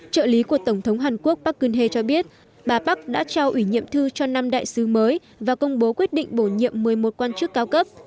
trợ lý của tổng thống hàn quốc parkin he cho biết bà park đã trao ủy nhiệm thư cho năm đại sứ mới và công bố quyết định bổ nhiệm một mươi một quan chức cao cấp